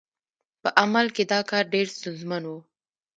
په عمل کې دا کار ډېر ستونزمن و.